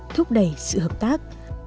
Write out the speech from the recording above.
thúc đẩy sự hợp tác